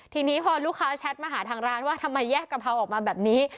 ทีนี้พอลูกค้าแชทมาหาทางร้านว่าทำไมแยกกะเพราออกมาแบบนี้